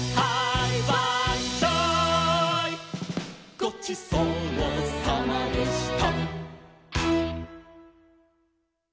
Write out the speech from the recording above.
ごちそうさまでした。